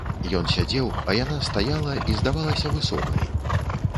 Ён сядзеў, а яна стаяла і здавалася высокай.